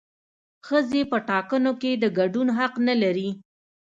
ښځې په ټاکنو کې د ګډون حق نه لري